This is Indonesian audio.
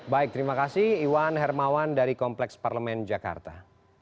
baik terima kasih iwan hermawan dari kompleks parlemen jakarta